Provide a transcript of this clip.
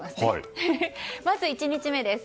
まず、１日目です。